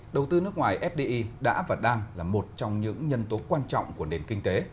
đầu tư nước ngoài fdi đã và đang là một trong những nhân tố quan trọng của nền kinh tế